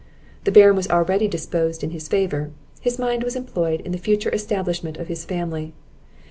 The Baron was already disposed in his favour; his mind was employed in the future establishment of his family.